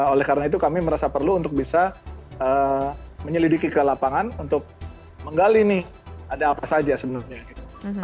oleh karena itu kami merasa perlu untuk bisa menyelidiki ke lapangan untuk menggali nih ada apa saja sebenarnya gitu